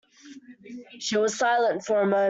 She was silent for a moment.